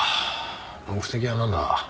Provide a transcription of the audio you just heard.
目的はなんだ？